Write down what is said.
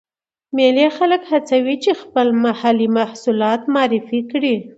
مېلې خلک هڅوي، چې خپل محلې محصولات معرفي کړي.